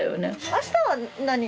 明日は何人？